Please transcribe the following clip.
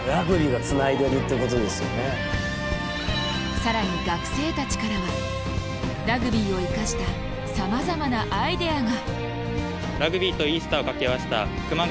更に学生たちからはラグビーを生かしたさまざまなアイデアが。